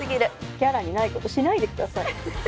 キャラにないことしないで下さい。